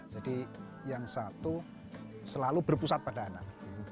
jadi yang satu selalu berpusat pada anak